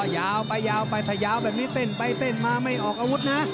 อ๋อยาวไปถ้ายาวแบบนี้เต้นไปมาไม่ออกอาวุธนะ